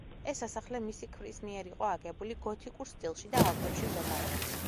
ეს სასახლე მისი ქმრის მიერ იყო აგებული გოთიკურ სტილში და ალპებში მდებარეობს.